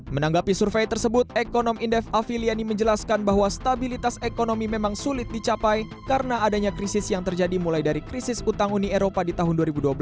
menanggapi survei tersebut ekonom indef afiliani menjelaskan bahwa stabilitas ekonomi memang sulit dicapai karena adanya krisis yang terjadi mulai dari krisis utang uni eropa di tahun dua ribu dua belas